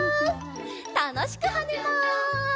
たのしくはねます！